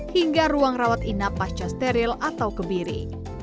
hingga ruang rawat inap pasca steril atau kebiri